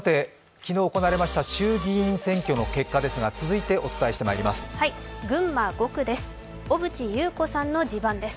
昨日行われました衆議院選挙の結果ですが、続いてお伝えしてまいります。